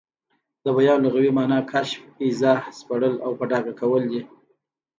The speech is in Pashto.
د بیان لغوي مانا کشف، ايضاح، سپړل او په ډاګه کول دي.